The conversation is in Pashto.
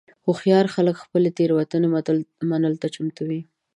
هوښیار خلک د خپلې تېروتنې منلو ته چمتو وي.